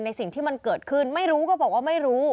สิ่งที่มันเกิดขึ้นไม่รู้ก็บอกว่าไม่รู้